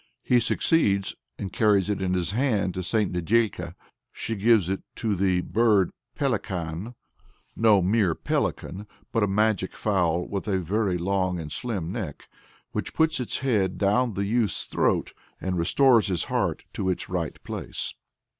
He succeeds, and carries it in his hand to St. Nedĕlka. She gives it to "the bird Pelekan (no mere Pelican, but a magic fowl with a very long and slim neck), which puts its head down the youth's throat, and restores his heart to its right place."